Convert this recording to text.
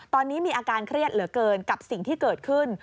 ตอนนี้มีอาการเครียดเหลือเกินกับสิ่งที่เกิดขึ้น